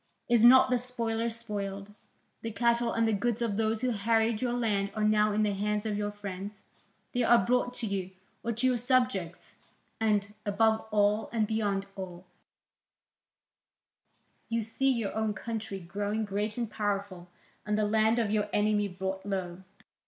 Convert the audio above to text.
Is not the spoiler spoiled? The cattle and the goods of those who harried your land are now in the hands of your friends, they are brought to you, or to your subjects. And, above all and beyond all, you see your own country growing great and powerful and the land of your enemy brought low.